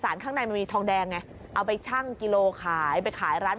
มันกลับมาที่สุดท้ายแล้วมันกลับมาที่สุดท้ายแล้ว